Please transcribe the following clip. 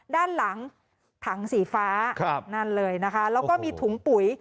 ด้านหลังถังสีฟ้านั่นเลยนะคะแล้วก็มีถุงปุ๋ย